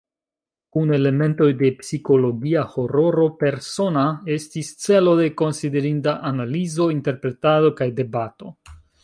Kun elementoj de psikologia hororo, "Persona" estis celo de konsiderinda analizo, interpretado kaj debato.